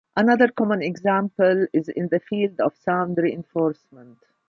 Another common example is in the field of sound reinforcement.